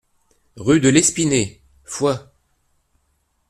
Rue de l'Espinet, Foix